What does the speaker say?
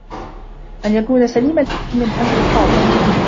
أَنْ يَكُونَ سَلِيمَ الْفِكْرِ مِنْ هَمٍّ قَاطِعٍ